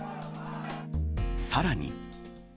さらに。